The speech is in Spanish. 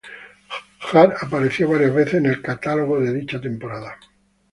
Hart apareció varias veces en el catálogo de dicha temporada.